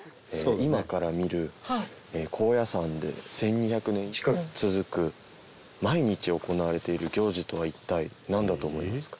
今から見る高野山で１２００年近く続く毎日行われている行事とは一体なんだと思いますか？